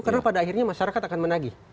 karena pada akhirnya masyarakat akan menagih